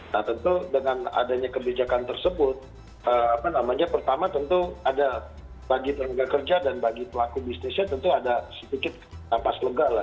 nah tentu dengan adanya kebijakan tersebut pertama tentu ada bagi tenaga kerja dan bagi pelaku bisnisnya tentu ada sedikit pas lega lah